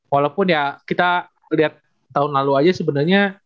walaupun ya kita liat tahun lalu aja sebenernya